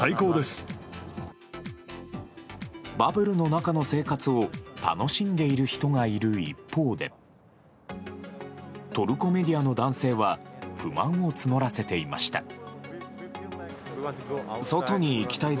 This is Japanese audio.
バブルの中の生活を楽しんでいる人がいる一方でトルコメディアの男性は不満を募らせていました。